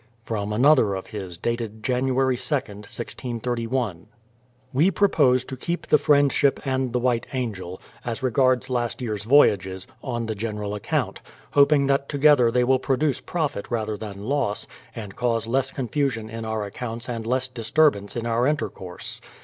From another of his dated Jan. 2nd, 1631 : We propose to keep the Friendship and the White Angel, as regards last year's voyages, on the general account, hoping that together they will produce profit rather than loss, and cause less confusion in our accounts and less disturbance in our intercourse.